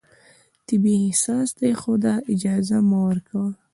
طبیعي احساس دی، خو دا اجازه مه ورکوه